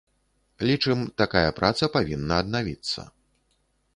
Лічым, такая праца павінна аднавіцца.